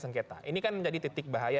sengketa ini kan menjadi titik bahaya